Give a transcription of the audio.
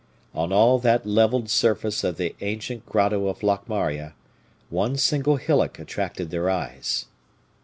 On all that leveled surface of the ancient grotto of Locmaria, one single hillock attracted their eyes.